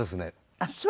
ああそう！